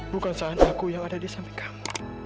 bukan saan aku yang ada di samping kamu